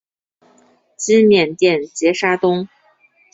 今缅甸杰沙东。